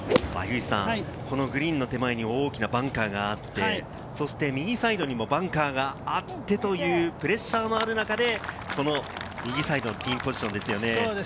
グリーンの手前に大きなバンカーがあって、そして右サイドにもバンカーがあってというプレッシャーのある中で、右サイドのピンポジションですよね。